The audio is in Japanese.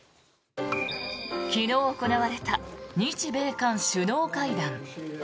昨日行われた日米韓首脳会談。